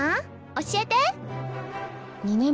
教えて！